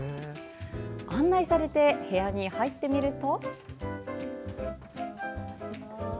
案内されて部屋に入ってみると。